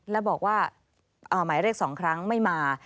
แล้วบอกว่าหมายเรียก๒ครั้งไม่มา